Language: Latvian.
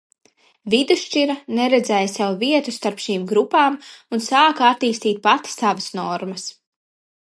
Vidusšķira neredzēja sev vietu starp šīm grupām un sāka attīstīt pati savas normas.